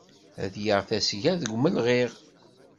Ad yaɣ tasga deg umelɣiɣ.